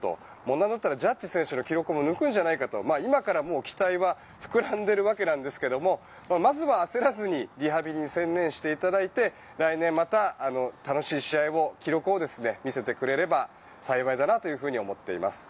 なんだったらジャッジ選手の記録も抜くんじゃないかと今からもう期待は膨らんでいるわけなんですけどもまずは焦らずにリハビリに専念していただいて来年また楽しい試合、記録を見せてくれれば幸いだなと思っています。